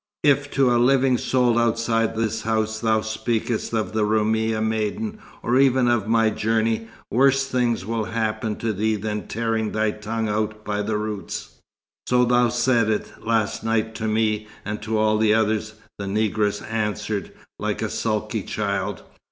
If to a living soul outside this house thou speakest of the Roumia maiden, or even of my journey, worse things will happen to thee than tearing thy tongue out by the roots." "So thou saidst last night to me, and to all the others," the negress answered, like a sulky child.